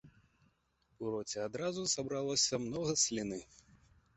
У роце адразу сабралася многа сліны.